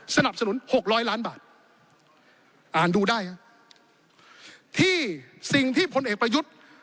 สนับสนุนหกร้อยล้านบาทอ่านดูได้ฮะที่สิ่งที่พลเอกประยุทธ์